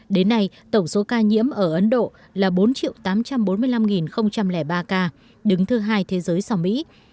đến nay tổng số ca nhiễm ở ấn độ là bốn tám trăm bốn mươi năm ba ca đứng thứ hai thế giới sau mỹ